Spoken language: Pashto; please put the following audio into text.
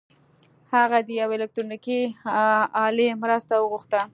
هغه د یوې الکټرونیکي الې مرسته وغوښته